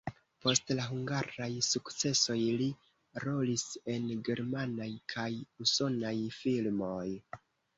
Post la hungaraj sukcesoj li rolis en germanaj kaj usonaj filmoj.